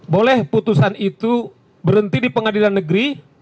boleh putusan itu berhenti di pengadilan negeri